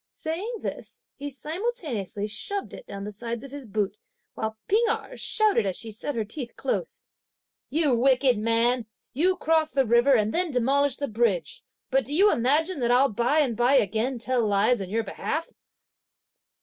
Saying this he simultaneously shoved it down the sides of his boot, while P'ing Erh shouted as she set her teeth close: "You wicked man! you cross the river and then demolish the bridge! but do you imagine that I'll by and by again tell lies on your behalf!"